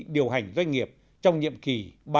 điều hành doanh nghiệp trong nhiệm kỳ